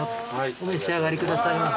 お召し上がりくださいませ。